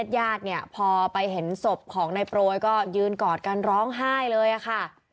ญาติเนี่ยพอไปเห็นศพของนายโปรยก็ยืนกอดกันร้องไห้เลยค่ะ